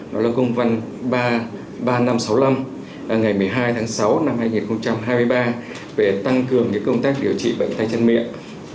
nó là công văn ba năm sáu năm ngày một mươi hai tháng sáu năm hai nghìn hai mươi ba về tăng cường những công tác điều trị bệnh tay chân miệng